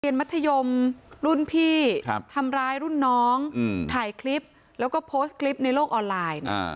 มัธยมรุ่นพี่ทำร้ายรุ่นน้องถ่ายคลิปแล้วก็โพสต์คลิปในโลกออนไลน์